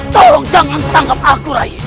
tolong jangan tangkap aku ray